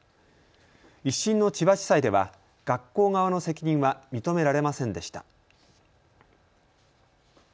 １審の千葉地裁では学校側の責任は認められませんでした。